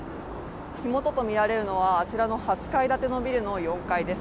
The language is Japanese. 火元とみられるのは、あちらの８階建てのビルの４階です。